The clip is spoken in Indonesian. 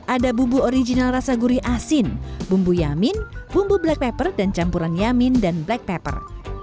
ada bumbu original rasa gurih asin bumbu yamin bumbu black pepper dan campuran yamin dan black pepper